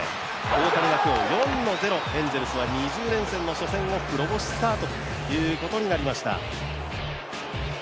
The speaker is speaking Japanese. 大谷は今日、４の０、エンゼルスは２０連戦の初戦を黒星スタートということになりました。